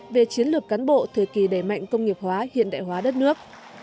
về chiến lược cán bộ thời kỳ đẩy mạnh công nghiệp hóa hiện đại hóa đất nước